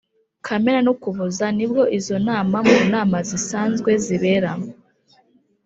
kamena n ukuboza nibwo izo nama mu nama zisanzwe zibera